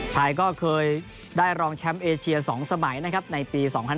ไทยก็เคยได้รองแชมป์เอเชีย๒สมัยนะครับในปี๒๐๑๖